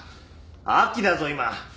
秋だぞ今！